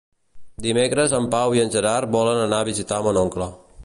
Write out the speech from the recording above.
Dimecres en Pau i en Gerard volen anar a visitar mon oncle.